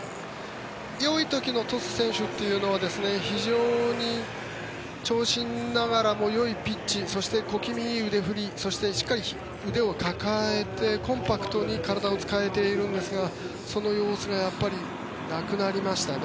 よい時のトス選手というのは非常に長身ながらもよいピッチそして小気味いい腕振りそして、しっかり腕を抱えてコンパクトに体を使えているんですがその様子がなくなりましたね。